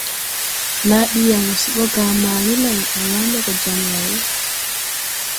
Naa ɓi yaŋ wɔ se ɓɔ Jaaman ni lay, a yaŋ ɓɛ gɔ jam lay?